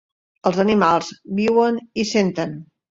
Els animals viuen i senten.